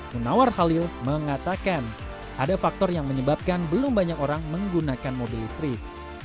munawar halil mengatakan ada faktor yang menyebabkan belum banyak orang menggunakan mobil listrik